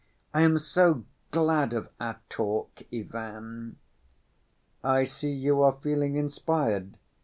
I am so glad of our talk, Ivan." "I see you are feeling inspired.